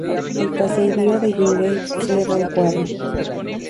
El caserío de Yungay cierra el cuadro.